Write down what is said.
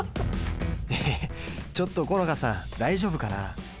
えちょっと好花さん大丈夫かな。